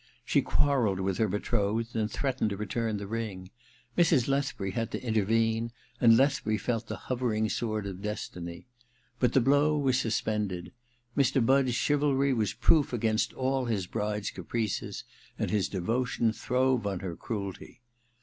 She quarrelled with her betrothed and threatened to return the ring. Mrs. Lethbury had to intervene, and Lethbury felt the hovering sword of destiny. But the blow was suspended. Mr. Budd's chivalry was proof against all his bride's caprices and his devotion throve on her cruelty.